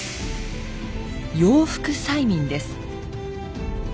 「洋服細民」です。